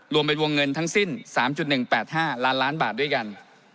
รวมเป็นวงเงินทั้งสิ้น๓๑๘๕ล้านล้านบาทด้วยกัน